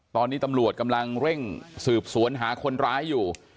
ตอนนี้ตำรวจกำลังเร่งสืบสวนหาคนร้ายอยู่